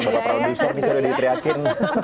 bapak produser bisa udah di teriakin